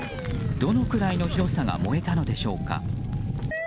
どのくらいの広さが燃えたのでしょうか。